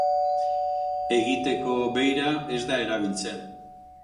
Egiteko beira ez da erabiltzen.